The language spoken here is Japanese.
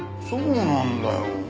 そうなんだよ。